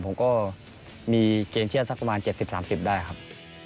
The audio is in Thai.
ผมก็มีเกณฑ์เชื่อสักประมาณ๗๐๓๐ได้ครับ